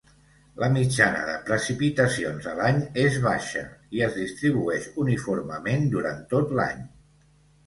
La mitjana de precipitacions a l'any és baixa, i es distribueix uniformement durant tot l'any.